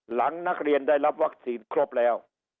หลังนักเรียนได้รับวัคซีนครบแล้ว